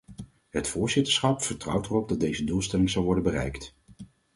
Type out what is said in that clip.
Het voorzitterschap vertrouwt erop dat deze doelstelling zal worden bereikt.